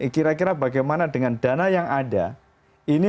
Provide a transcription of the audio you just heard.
kira kira bagaimana dengan dana yang ada ini